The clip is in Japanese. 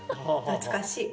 懐かしい。